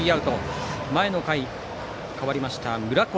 前の回、代わりました村越